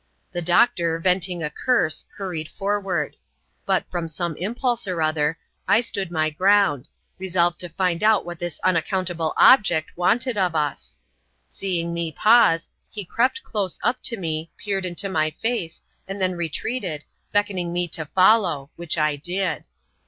The doctor, venting a curse, hurried forward; but, from some impulse or other, I stood my ground, resolved to find out what this unaccountable object wanted of us. Seeing me pause, he crept close up to me, peered into my face, and then retreated, beckoning me to follow, which I did.